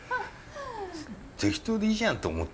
適当でいいじゃんって思って。